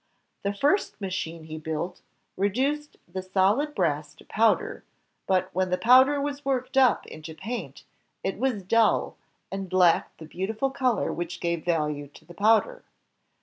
The first machine he built re duced the solid brass to powder, but when the powder was worked up into paint, it was dull, and lacked the beautiful color which gave value to the powder.